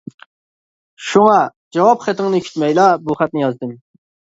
شۇڭا، جاۋاب خېتىڭنى كۈتمەيلا بۇ خەتنى يازدىم.